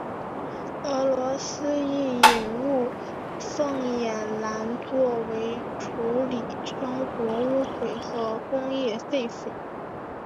俄罗斯亦引入凤眼蓝作为处理生活污水和工业废水。